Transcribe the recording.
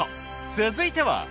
続いては。